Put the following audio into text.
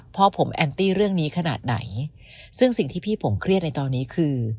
พ่อผมแอนตี้เรื่องนี้ขนาดไหนซึ่งสิ่งที่พี่ผมเครียดในตอนนี้คือ